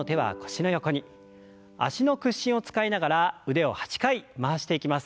脚の屈伸を使いながら腕を８回回していきます。